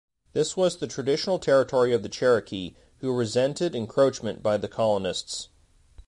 This was the traditional territory of the Cherokee, who resented encroachment by the colonists.